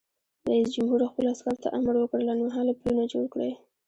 رئیس جمهور خپلو عسکرو ته امر وکړ؛ لنډمهاله پلونه جوړ کړئ!